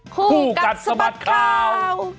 คู่กัดสมัครข่าว